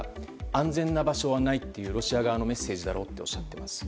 安全な場所はないというロシア側のメッセージだろうとおっしゃっています。